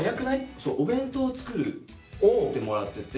そうお弁当を作ってもらってて。